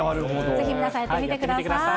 ぜひ皆さん、やってみてください。